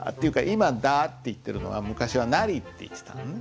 今「だ」って言ってるのは昔は「なり」って言ってたのね。